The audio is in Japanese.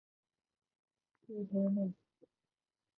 地球平面説